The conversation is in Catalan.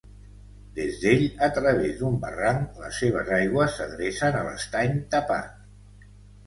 Des d'ell, a través d'un barranc, les seves aigües s'adrecen a l'Estany Tapat.